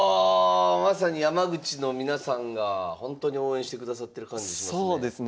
まさに山口の皆さんがほんとに応援してくださってる感じしますね。